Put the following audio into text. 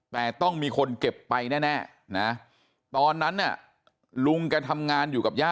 แต่ต้องมีคนเก็บไปแน่นะ